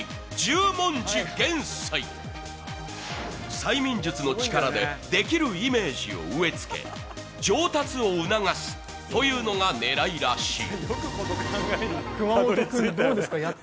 催眠術の力でできるイメージを植え付け上達を促すというのが狙いらしい。